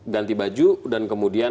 ganti baju udah pulang